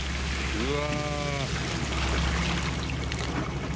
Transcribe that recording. うわ。